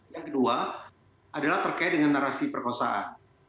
yang kedua adalah terkait dengan narasi perkosaan